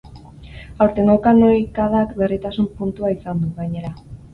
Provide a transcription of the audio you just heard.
Aurtengo kanoikadak berritasun puntua izan du, gainera.